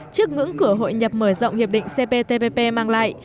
trước ngưỡng cửa hội nhập mở rộng hiệp định cptpp mang lại